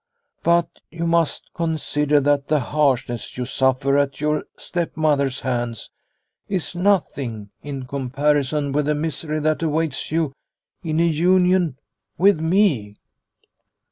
But you must consider that the harsh ness you suffer at your stepmother's hands is nothing in comparison with the misery that awaits you in a union with me.